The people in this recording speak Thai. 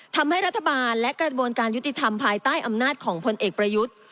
ทำให้รัฐบาลและกระบวนการยุติธรรมภายใต้อำนาจของพลเอกประยุทธ์